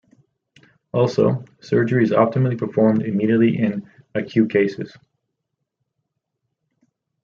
Also, surgery is optimally performed immediately in acute cases.